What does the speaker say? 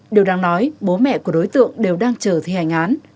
điều đáng nói bố mẹ của đối tượng đều đang chờ thi hành án